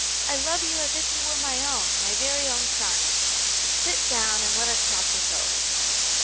I love you as if you were my own, my very own son. Sit down and let us talk this over."